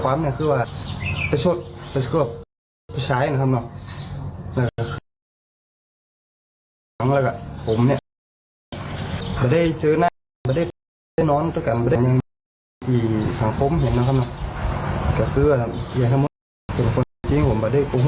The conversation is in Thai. กระเบื้ออย่างทั้งหมดจริงผมไม่ได้โกหกมันพยายาม